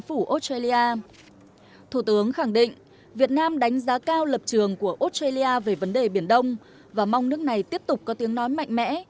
thủ tướng khẳng định việt nam đánh giá cao lập trường của australia về vấn đề biển đông và mong nước này tiếp tục có tiếng nói mạnh mẽ